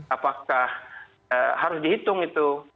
apakah harus dihitung itu